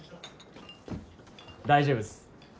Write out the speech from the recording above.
大丈夫です。